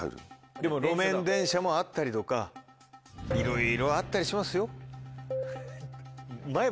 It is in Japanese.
でも路面電車もあったりとかいろいろあったりしますよ。